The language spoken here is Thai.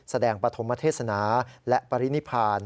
แสดงประธมเทศนาและปริณิภาล